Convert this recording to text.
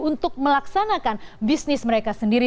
untuk melaksanakan bisnis mereka sendiri